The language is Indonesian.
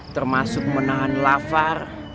termasuk menahan lafar